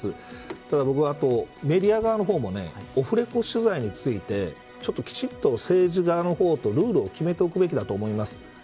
ただ、僕はメディア側の方もオフレコ取材についてきちっと政治側の方と、ルールを決めておくべきだと思います。